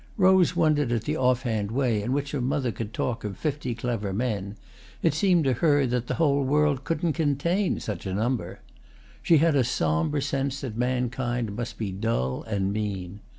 Rose wondered at the offhand way in which her mother could talk of fifty clever men; it seemed to her that the whole world couldn't contain such a number. She had a sombre sense that mankind must be dull and mean.